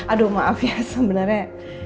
aduh maaf ya sebenernya